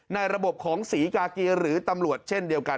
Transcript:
ในระบบของศรีกากีหรือตำรวจเช่นเดียวกัน